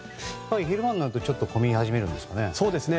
昼間になるとちょっと混み始めるんですかね。